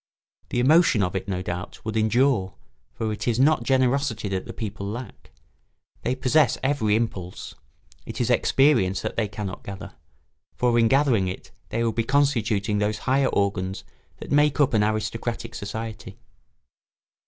The emotion of it, no doubt, would endure, for it is not generosity that the people lack. They possess every impulse; it is experience that they cannot gather, for in gathering it they would be constituting those higher organs that make up an aristocratic society.